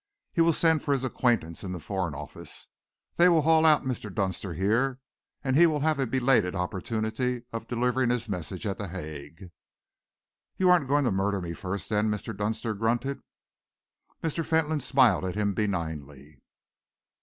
He will send for his acquaintance in the Foreign Office; they will haul out Mr. Dunster here, and he will have a belated opportunity of delivering his message at The Hague." "You aren't going to murder me first, then?" Mr. Dunster grunted. Mr. Fentolin smiled at him benignly.